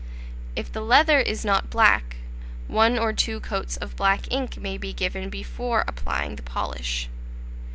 If the leather is not black, one or two coats of black ink may be given before applying the polish.